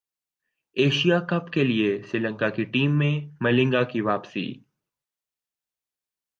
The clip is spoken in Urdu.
ایشیا کپ کیلئے سری لنکا کی ٹیم میں ملنگا کی واپسی